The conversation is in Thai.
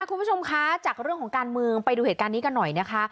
คุณผู้ชมคะจากเรื่องของการเมืองไปดูเหตุการณ์นี้กันหน่อยนะคะ